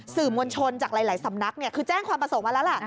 สื่อมวลชนจากหลายสำนักคือแจ้งความประสงค์มาแล้วล่ะ